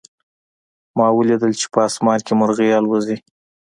ما ولیدل چې په آسمان کې مرغۍ الوزي